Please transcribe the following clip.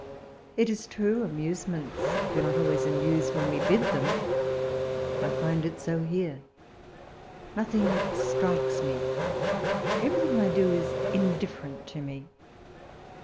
It is true, amuse ments do not always amuse when we bid them. I find it so here ; nothing strikes me ; everything I do is indifferent to me.